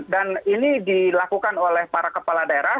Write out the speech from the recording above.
ini dilakukan oleh para kepala daerah